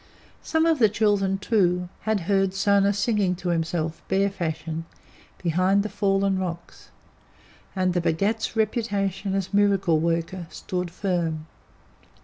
Some of the children, too, had heard Sona singing to himself, bear fashion, behind the fallen rocks, and the Bhagat's reputation as miracle worker stood firm.